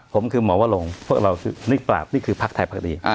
ผมคือหมอวะลงพวกเรานี่ปราบนี่คือพักไทยพักดี